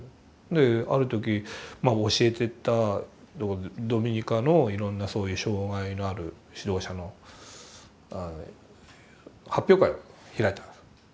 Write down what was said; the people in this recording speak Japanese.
である時教えてたドミニカのいろんなそういう障害のある指導者の発表会開いたの。